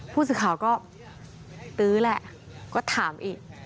ผู้สื่อข่าวก็ตื้อแหละก็ถามอีก